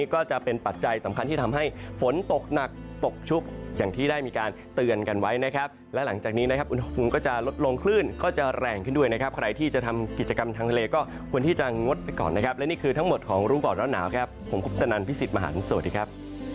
ก็จะลดลงคลื่นก็จะแรงขึ้นด้วยนะครับใครที่จะทำกิจกรรมทางทะเลก็ควรที่จะงดไปก่อนนะครับและนี่คือทั้งหมดของรุ่งกอดร้อนหนาวครับผมคุณตนันพิสิทธิ์มหาลังสวัสดีครับ